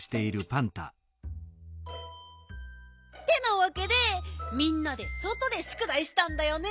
ってなわけでみんなでそとでしゅくだいしたんだよね。